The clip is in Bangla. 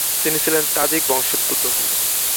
তিনি ছিলেন তাজিক বংশোদ্ভূত।